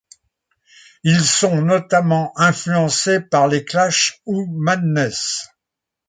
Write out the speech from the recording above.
Ils sont notamment influencés par les Clash ou Madness.